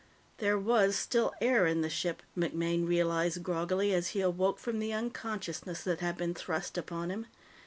There was still air in the ship, MacMaine realized groggily as he awoke from the unconsciousness that had been thrust upon him.